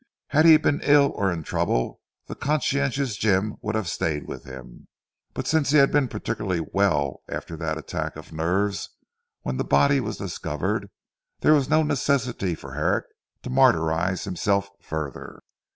Had he been ill or in trouble the conscientious Jim would have stayed with him. But since he had been particularly well after that attack of nerves when the body was discovered, there was no necessity for Herrick to martyrise himself further.